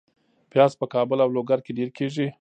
پیاز په کابل او لوګر کې ډیر کیږي